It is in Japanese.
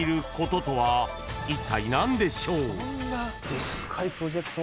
でっかいプロジェクト。